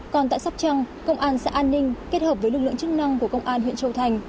còn tại sóc trăng công an xã an ninh kết hợp với lực lượng chức năng của công an huyện châu thành